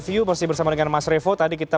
view masih bersama dengan mas revo tadi kita